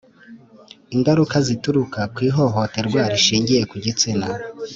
Ingaruka zituruka ku ihohoterwa rishingiye ku gitsina